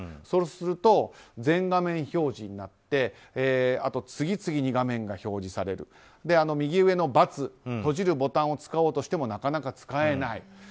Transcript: そうすると全画面表示になって次々に画面が表示される右上の×閉じるボタンを使おうとしてもなかなか使えない。